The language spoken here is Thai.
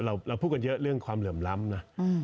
เราพูดกันเยอะเรื่องความเหลื่อมล้ำนะ